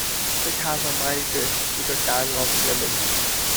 It has a mild taste, with a tang of lemon.